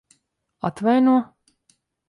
Atvaino?